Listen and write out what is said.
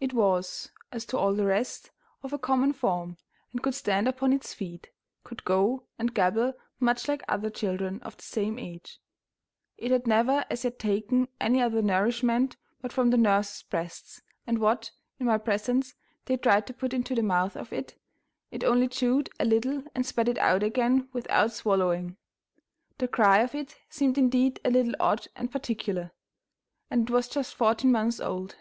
It was, as to all the rest, of a common form, and could stand upon its feet; could go and gabble much like other children of the same age; it had never as yet taken any other nourishment but from the nurse's breasts, and what, in my presence, they tried to put into the mouth of it, it only chewed a little and spat it out again without swallowing; the cry of it seemed indeed a little odd and particular, and it was just fourteen months old.